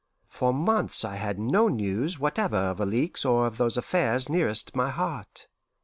For months I had no news whatever of Alixe or of those affairs nearest my heart.